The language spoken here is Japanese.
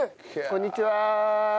こんにちは。